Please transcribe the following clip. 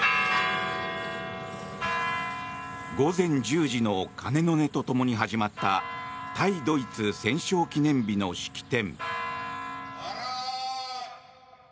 午前１０時の鐘の音とともに始まった対ドイツ戦勝記念日の式典。